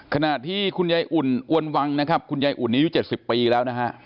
ขณะที่คุณยายอุ่นอวนวังนะครับคุณยายอุ่นอายุ๗๐ปีแล้วนะฮะ